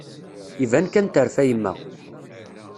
Iban kan terfa yemma.